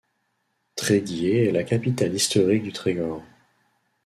Tréguier est la capitale historique du Trégor.